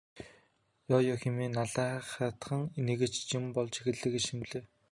Ёо ёо хэмээн хүүхэн наалинхайтан инээгээд юм ч болж эхэллээ гэж шивнэлээ.